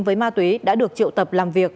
với ma túy đã được triệu tập làm việc